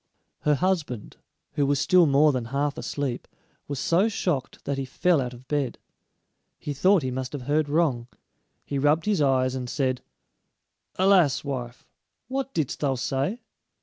Her husband, who was still more than half asleep, was so shocked that he fell out of bed. He thought he must have heard wrong. He rubbed his eyes and said: "Alas, wife, what didst thou say?"